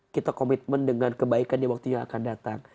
kita komitmen dengan kebaikan yang waktunya akan datang